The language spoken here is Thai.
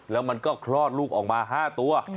แล้วมันก็คลอดลูกออกมา๕ตัว